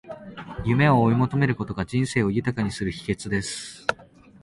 夢を追い求めることが、人生を豊かにする秘訣です。